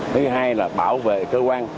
thứ hai là bảo vệ cơ quan